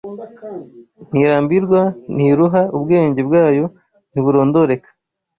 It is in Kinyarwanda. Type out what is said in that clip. ntirambwira, ntiruha; ubwenge bwayo ntiburondoreka